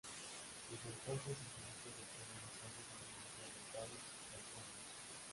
Desde entonces, sus minutos de juego en la cancha se han incrementado sustancialmente.